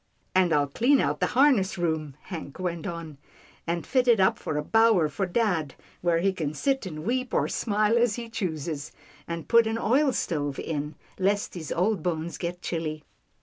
" And I'll clean out the harness room," Hank went on, " and fit it up for a bower for dad, where he can sit and weep or smile as he chooses, and put an oil stove in, lest his old bones get chilly."